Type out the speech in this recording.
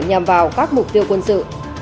nhằm vào các mục tiêu quân sự